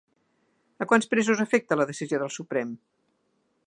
A quants presos afecta la decisió del Suprem?